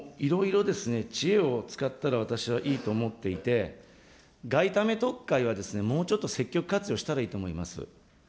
いろいろ、知恵を使ったら、私はいいと思っていて、外為特会は、もうちょっと積極活用したらいいと思います。